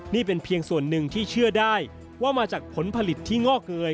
นี่เป็นเพียงส่วนหนึ่งที่เชื่อได้ว่ามาจากผลผลิตที่งอกเงย